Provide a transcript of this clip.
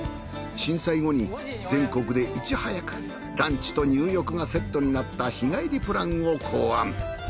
震災後に全国でいち早くランチと入浴がセットになった日帰りプランを考案。